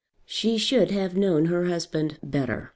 She should have known her husband better.